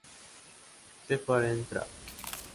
The Parent Trap